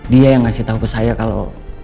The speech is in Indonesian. dia yang ngasih tau ke saya kalo